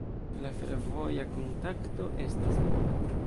La fervoja kontakto estas bona.